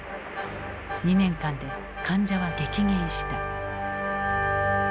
２年間で患者は激減した。